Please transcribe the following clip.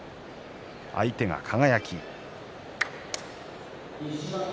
相手は輝。